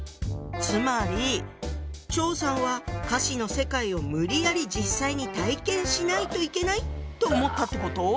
つまり張さんは「歌詞の世界を無理やり実際に体験しないといけない」と思ったってこと？